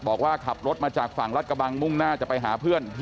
บอกว่าขับรถมาจากฝั่งรัฐกะบังมุ่งหน้า